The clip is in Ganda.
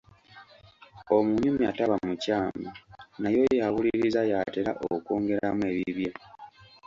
Omunyumya taba mukyamu naye oyo awulirirza y’atera okwongeramu ebibye.